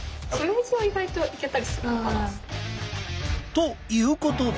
ということで。